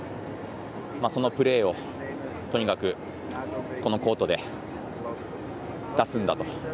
そのプレーをとにかくこのコートで出すんだと。